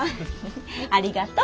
ありがとう。